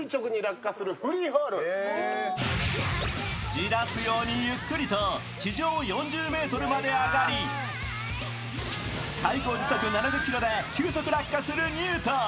じらすようにゆっくりと地上４０ｍまで上がり最高時速７０キロで急速落下するニュートン。